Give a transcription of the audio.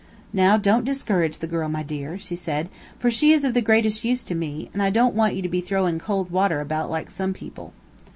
"Now, don't discourage the girl, my dear," she said, "for she is of the greatest use to me, and I don't want you to be throwing cold water about like some people."